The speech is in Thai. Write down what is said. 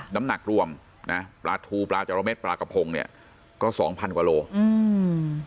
น้ำหนักรวมปลาทูปลาเจราเมตรปลากระพงเนี่ยก็๒๐๐๐กว่าโลกรัม